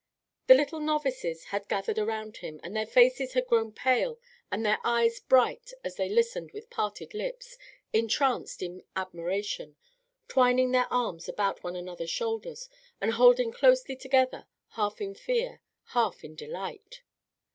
The little novices had gathered around him, and their faces had grown pale and their eyes bright as they listened with parted lips, entranced in admiration, twining their arms about one another's shoulders and holding closely together, half in fear, half in delight.